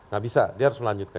gak bisa dia harus melanjutkan